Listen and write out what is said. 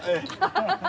ハハハハ。